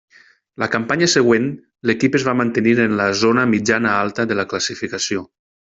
La campanya següent l'equip es va mantenir en la zona mitjana-alta de la classificació.